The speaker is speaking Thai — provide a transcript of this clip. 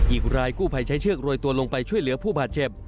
อีกรายกู้ภัยใช้เชือกโรยตัวลงไปช่วยเหลือผู้บาดเจ็บ